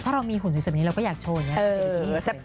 ถ้าเรามีหุ่นอยู่แบบนี้เราก็อยากโชว์อย่างนี้